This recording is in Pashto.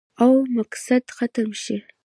او مقصد ختم شي